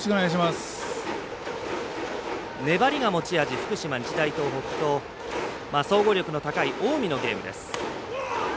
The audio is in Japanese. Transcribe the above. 粘りが持ち味、福島の日大東北と総合力の高い近江のゲームです。